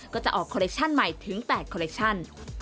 ก็จะออกคอลเคชั่นใหม่ถึง๘คอลเลคชั่น